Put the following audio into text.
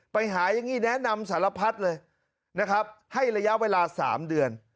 ไปหาอย่างนี้แนะนำสารพัดเลยนะครับให้ระยะเวลา๓เดือน